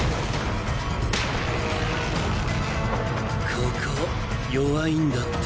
ここ弱いんだって？